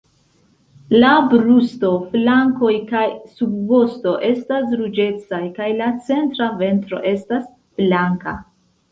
La brusto, flankoj kaj subvosto estas ruĝecaj, kaj la centra ventro estas blanka.